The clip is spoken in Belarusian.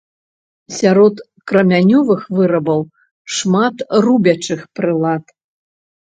Сярод крамянёвых вырабаў шмат рубячых прылад.